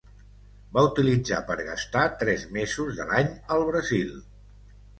Va utilitzar per gastar tres mesos de l'any al Brasil.